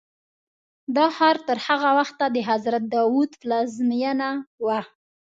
دا ښار تر هغه وخته د حضرت داود پلازمینه وه.